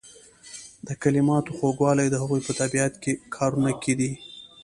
د کلماتو خوږوالی د هغوی په طبیعي کارونه کې دی.